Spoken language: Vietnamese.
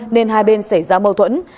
nên hai bên xảy ra mâu thuẫn